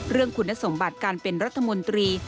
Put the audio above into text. คุณสมบัติการเป็นรัฐมนตรี